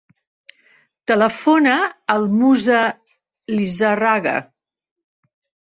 Telefona al Musa Lizarraga.